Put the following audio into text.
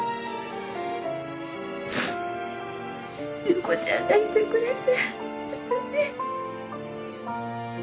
侑子ちゃんがいてくれてわたし。